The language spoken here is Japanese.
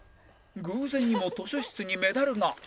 偶然にも図書室にメダルが